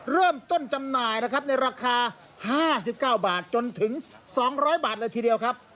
จำหน่ายนะครับในราคา๕๙บาทจนถึง๒๐๐บาทเลยทีเดียวครับ